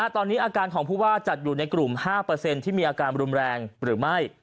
ตอนนี้อาการของผู้ว่าจัดอยู่ในกลุ่ม๕ที่มีอาการรุนแรงหรือไม่